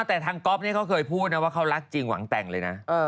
แต่ทางก๊อฟนี่เขาเคยพูดนะว่าเขารักจริงหวังแต่งเลยนะ